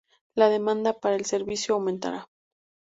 La demanda para el servicio aumentará.